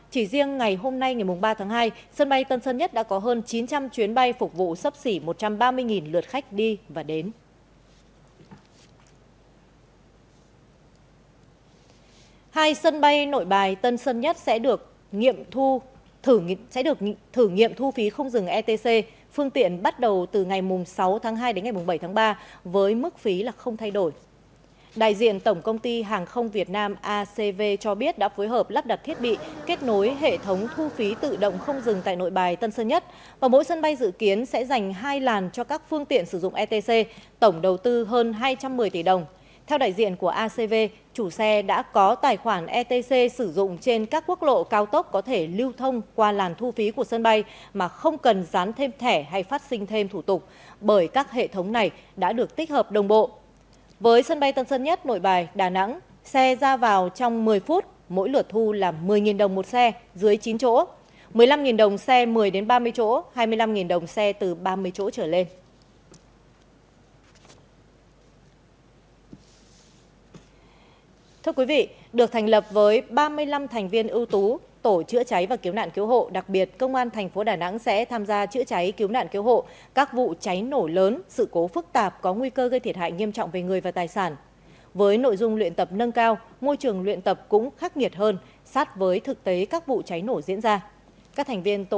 chỉ riêng ngày hôm nay ngày ba tháng hai sân bay tân sơn nhất đã có hơn chín trăm linh chuyến bay phục vụ sắp xỉ một trăm ba mươi lượt khách đi và đến